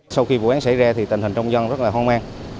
sau khi vụ án xảy ra thì tình hình trong dân rất là hoang mang